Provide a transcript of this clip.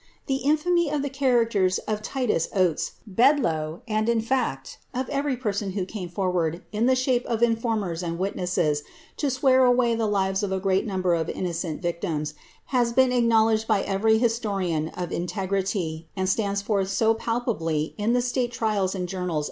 The infamy of the characters of Titus Oates, Bed ( loe, and, in fact, of every person who came forward, in the shape of \ informers and witnesses, to swear away the lives of a great number of ; innocent victims, has been acknowledged by every historian of integrityf ( and stands forth so palpably in the State Trials and Journals c?